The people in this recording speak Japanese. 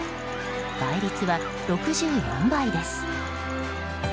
倍率は６４倍です。